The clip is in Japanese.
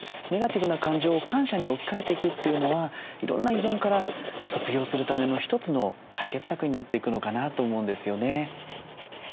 ネガティブな感情を感謝に置き換えていくというのはいろんな依存から卒業するための一つの解決策になっていくのかなと思うんですよね。